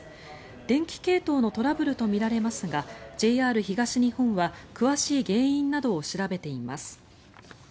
電気系統のトラブルとみられますが、ＪＲ東日本は詳しい原因などを調べています。